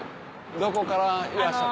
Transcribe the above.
どこからいらっしゃった？